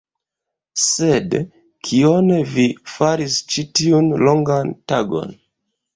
Sed, kion vi faris ĉi tiun longan tagon?